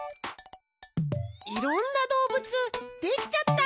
いろんなどうぶつできちゃった！